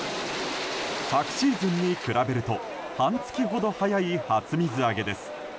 昨シーズンに比べると半月ほど早い初水揚げです。